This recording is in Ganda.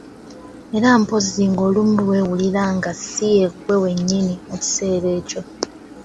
Era mpozzi ng'olumu weewuliranga ssi " ye ggwe wennyini." mu kiseera ekyo.